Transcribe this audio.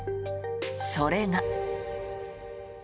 それが。